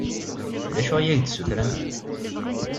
D acu i ak-d-ssutrent?